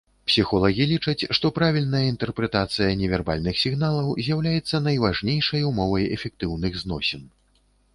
Псіхолагі лічаць, што правільная інтэрпрэтацыя невербальных сігналаў з'яўляецца найважнейшай умовай эфектыўных зносін.